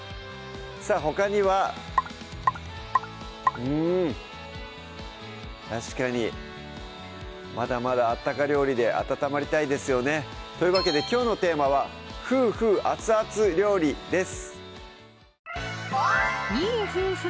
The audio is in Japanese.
さぁほかにはうん確かにまだまだあったか料理で温まりたいですよねというわけできょうのテーマは「フーフーアツアツ料理」です